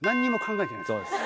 そうです